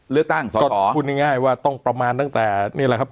เลือกตั้งสอสอก็คุณง่ายง่ายว่าต้องประมาณตั้งแต่นี่แหละครับ